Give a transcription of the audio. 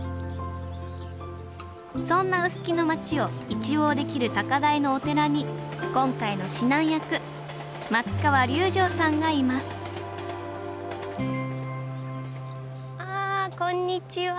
そんな臼杵の町を一望できる高台のお寺に今回の指南役松川隆乗さんがいますあこんにちは。